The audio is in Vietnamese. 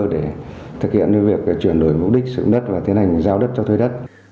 để thực hiện những việc chuyển đổi mục đích dụng đất và tiến hành giao đất cho thuê đất